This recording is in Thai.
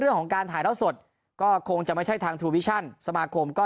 เรื่องของการถ่ายราวสดก็คงจะไม่ใช่ทางสมาคมก็